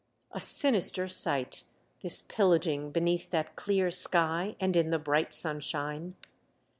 A sinister sight, this pillaging beneath that clear sky and in the bright sunshine.